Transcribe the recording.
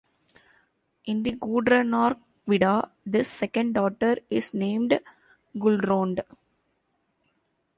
In the Gudrunarkvida, this second daughter is named Gullrond.